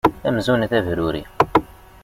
Amzun d abrurri.